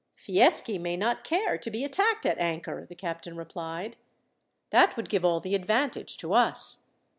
"Fieschi may not care to be attacked at anchor," the captain replied. "That would give all the advantage to us.